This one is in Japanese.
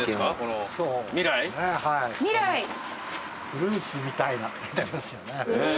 フルーツみたいなってありますよね。